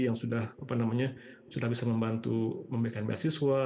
yang sudah bisa membantu memberikan beasiswa